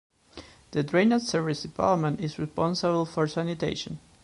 The Drainage Services Department is responsible for sanitation.